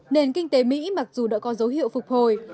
nền kinh tế mỹ mặc dù đã có dấu hiệu phục hồi